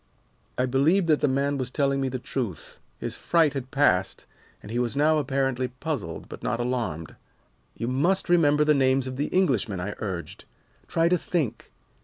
"I believed that the man was telling me the truth. His fright had passed, and he was now apparently puzzled, but not alarmed. "'You must remember the names of the Englishmen,' I urged. 'Try to think.